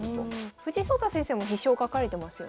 藤井聡太先生も「飛翔」書かれてますよね。